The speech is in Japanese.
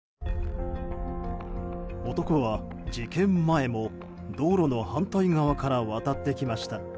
男は事件前も道路の反対側から渡ってきました。